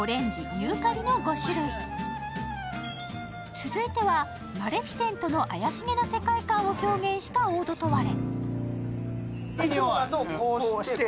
続いては、マレフィセントの怪しげな世界観を表現したオードトワレ。